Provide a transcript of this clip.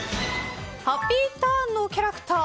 ハッピーターンのキャラクター